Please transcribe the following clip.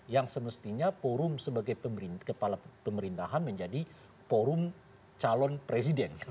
yang semestinya forum sebagai kepala pemerintahan menjadi forum calon presiden